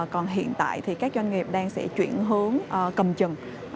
còn hiện tại thì các doanh nghiệp đang sẽ chuyển hướng cầm chừng